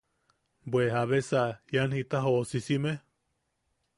¿Bwe jabesa ian jita joosisimne?